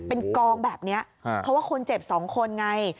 เป็นกองแบบนี้เพราะว่าคนเจ็บ๒คนไง